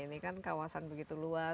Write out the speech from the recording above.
ini kan kawasan begitu luas